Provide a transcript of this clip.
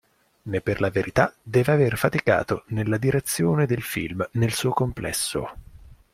Né per la verità deve aver faticato nella direzione del film nel suo complesso.